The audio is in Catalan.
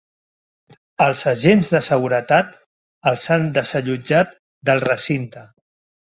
Els agents de seguretat els han desallotjat del recinte.